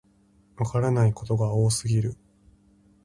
わからないことが多すぎる